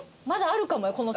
まだあるかもよ。